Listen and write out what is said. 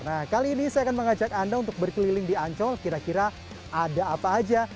nah kali ini saya akan mengajak anda untuk berkeliling di ancol kira kira ada apa aja